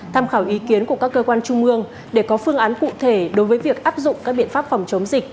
tham khảo ý kiến của các cơ quan trung ương để có phương án cụ thể đối với việc áp dụng các biện pháp phòng chống dịch